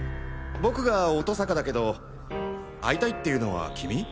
僕が乙坂だけど会いたいっていうのはキミ？